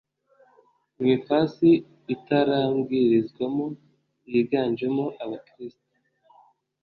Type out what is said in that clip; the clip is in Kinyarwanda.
mu ifasi itarabwirizwamo yiganjemo abakirisito